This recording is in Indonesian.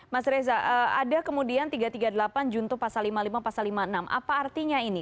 mas reza ada kemudian tiga ratus tiga puluh delapan juntuh pasal lima puluh lima pasal lima puluh enam apa artinya ini